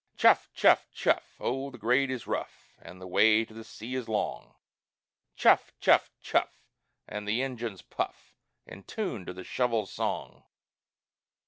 "Chuff! chuff! chuff!" Oh, the grade is rough, An' the way to the sea is long; "Chuff! chuff! chuff!" an' the engines puff In tune to the shovel's song!